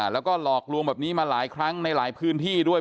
แล้วก็หลอกลวงแบบนี้มาหลายครั้งในหลายพื้นที่ด้วย